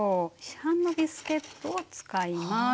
市販のビスケットを使います。